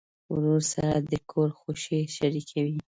ورور سره د کور خوښۍ شریکوي.